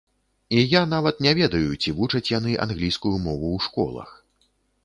І я нават не ведаю, ці вучаць яны англійскую мову ў школах.